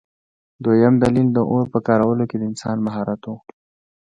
دویم دلیل د اور په کارولو کې د انسان مهارت و.